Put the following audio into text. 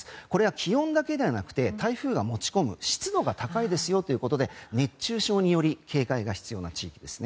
気温だけではなくて台風が持ち込む湿度が高いですよということで熱中症により警戒が必要な地域ですね。